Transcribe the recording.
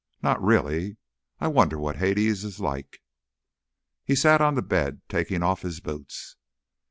Not really.... I wonder what Hades is like!" He sat on the bed taking off his boots.